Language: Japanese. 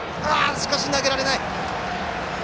しかし投げられない。